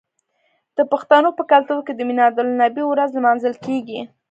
د پښتنو په کلتور کې د میلاد النبي ورځ لمانځل کیږي.